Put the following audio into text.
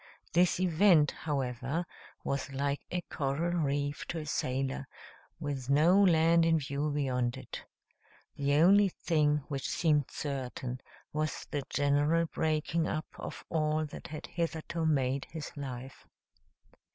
This event, however, was like a coral reef to a sailor, with no land in view beyond it. The only thing which seemed certain was the general breaking up of all that had hitherto made his life.